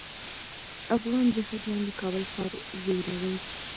افغان جهاديان د کابل ښار ویرول.